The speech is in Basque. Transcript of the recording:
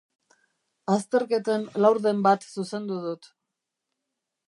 Azterketen laurden bat zuzendu dut.